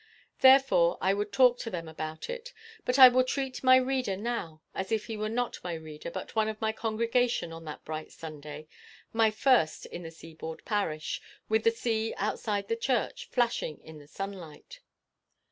Therefore, I would talk to them about but I will treat my reader now as if he were not my reader, but one of my congregation on that bright Sunday, my first in the Seaboard Parish, with the sea outside the church, flashing in the sunlight.